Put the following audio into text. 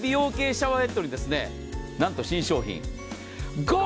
シャワーヘッドになんと新商品、５０％